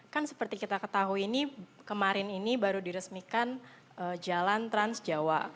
kan seperti kita ketahui ini kemarin ini baru diresmikan jalan trans jawa